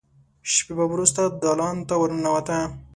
شېبه وروسته دالان ته ور ننوته.